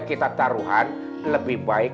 kita taruhan lebih baik